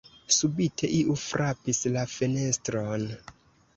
Subite iu frapis la fenestron.